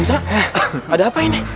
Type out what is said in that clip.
ustadz ada apa ini